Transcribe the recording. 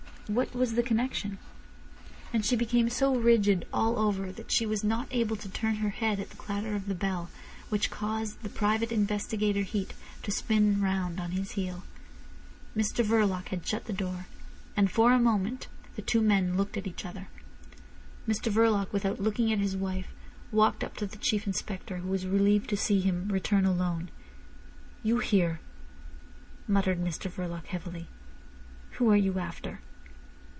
What was the connection? And she became so rigid all over that she was not able to turn her head at the clatter of the bell, which caused the private investigator Heat to spin round on his heel. Mr Verloc had shut the door, and for a moment the two men looked at each other. Mr Verloc, without looking at his wife, walked up to the Chief Inspector, who was relieved to see him return alone. "You here!" muttered Mr Verloc heavily. "Who are you after?"